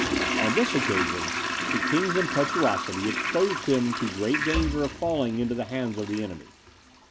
On this occasion, the king's impetuosity exposed him to great danger of falling into the hands of the enemy.